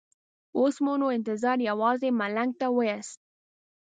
اوس مو نو انتظار یوازې ملنګ ته وېست.